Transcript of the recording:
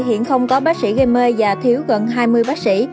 hiện không có bác sĩ gây mê và thiếu gần hai mươi bác sĩ